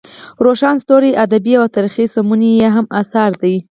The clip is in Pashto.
روښان ستوري ادبي او تاریخي سمونې یې هم اثار دي.